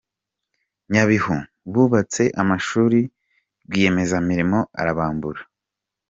Nyabihu: Bubatse amashuri rwiyemezamirimo arabambura